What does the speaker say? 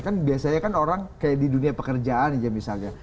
kan biasanya kan orang kayak di dunia pekerjaan aja misalnya